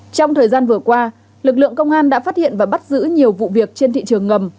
trong thời gian vừa qua lực lượng công an đã phát hiện và bắt giữ nhiều vụ việc trên thị trường ngầm